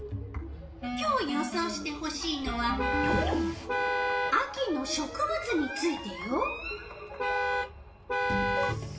今日予想してほしいのは秋の植物についてよ。